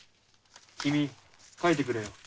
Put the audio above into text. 君書いてくれよ。